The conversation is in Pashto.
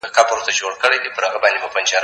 زه کولای سم مځکي ته وګورم!.